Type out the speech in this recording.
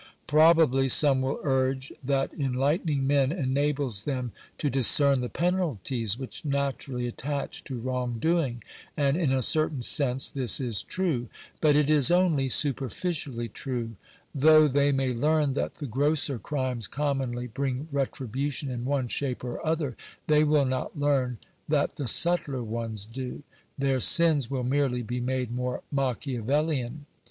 Probably some will urge that enlightening men enables them to discern the penalties which naturally attach to wrong doing; and in a certain sense this is true. But it is only superficially true. Though they may learn that the grosser crimes commonly bring retribution in one shape or other, they will not learn that the subtler ones do. Their sins will merely be made more Machiavellian.